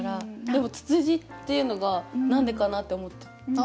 でもツツジっていうのが何でかな？って思ったんですけど。